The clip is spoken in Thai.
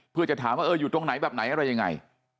เพื่อจะถามว่าเอออยู่ตรงไหนแบบไหนอะไรยังไง